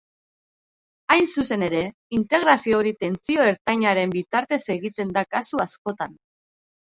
Hain zuzen ere, integrazio hori tentsio ertainaren bitartez egiten da kasu askotan.